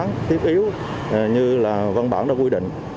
không có lý do thiết yếu như văn bản đã quy định